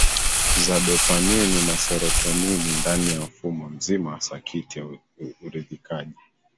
za dopamini na serotonini ndani ya mfumo mzima wa sakiti ya uridhikaji